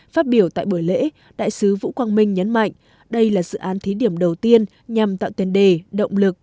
phát biểu tại buổi lễ đại sứ vũ quang minh nhấn mạnh đây là dự án thí điểm đầu tiên nhằm tạo tiền đề động lực